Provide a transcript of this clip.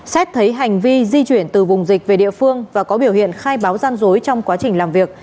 xét thấy hành vi di chuyển từ vùng dịch về địa phương và có biểu hiện khai báo gian dối trong quá trình làm việc